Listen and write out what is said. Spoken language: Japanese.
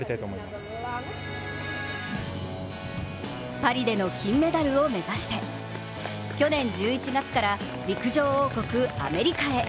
パリでの金メダルを目指して去年１１月から陸上王国・アメリカへ。